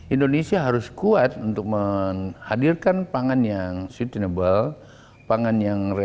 indonesia harus kuat untuk menghadirkan pangan yang sustainable pangan yang reselensi pangan yang punya kedaya tahan